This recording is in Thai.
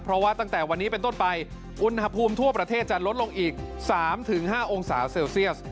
เพราะว่าตั้งแต่วันนี้เป็นต้นไปอุณหภูมิทั่วประเทศจะลดลงอีก๓๕องศาเซลเซียส